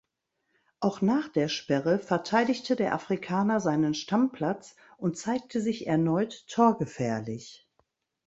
Auch nach der Sperre verteidigte der Afrikaner seinen Stammplatz und zeigte sich erneut torgefährlich.